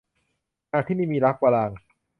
หากที่นี่มีรัก - วรางค์